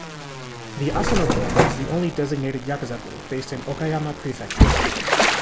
The Asano-gumi is the only designated yakuza group based in Okayama Prefecture.